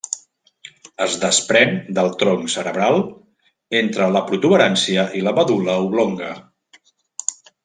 Es desprèn del tronc cerebral entre la protuberància i la medul·la oblonga.